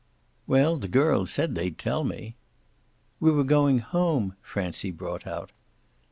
"Well, the girls said they'd tell me." "We were going home," Francie brought out.